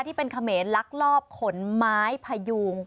ที่เป็นเขมรลักลอบขนไม้พยูง